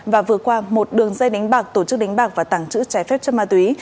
và vừa qua một đường dây đánh bạc tổ chức đánh bạc và tàng trữ trái phép chất ma túy